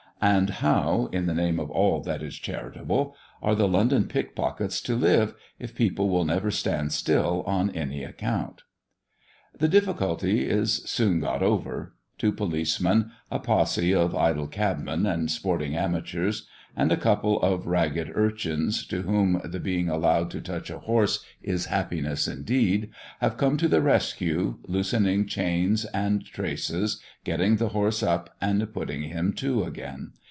And how, in the name of all that is charitable, are the London pickpockets to live if people will never stand still on any account? The difficulty is soon got over. Two policemen, a posse of idle cabmen and sporting amateurs, and a couple of ragged urchins, to whom the being allowed to touch a horse is happiness indeed, have come to the rescue, loosening chains and traces, getting the horse up and putting him to again.